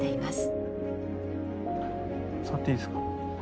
触っていいですか。